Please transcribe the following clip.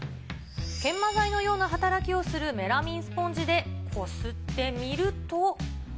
研磨剤のような働きをするメラミンスポンジでこすってみると。